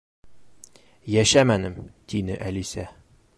—Йәшәмәнем, —тине Әлисә.